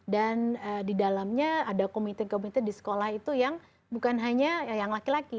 dan di dalamnya ada komite komite di sekolah itu yang bukan hanya yang laki laki